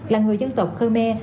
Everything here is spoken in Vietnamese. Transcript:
là người dân tộc khmer